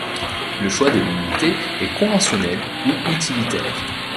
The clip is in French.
Le choix de l'unité est conventionnel ou utilitaire.